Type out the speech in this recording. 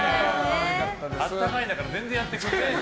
あったかいんだからぁ全然やってくれない。